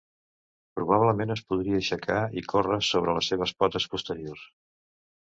Probablement es podia aixecar i córrer sobre les seves potes posteriors.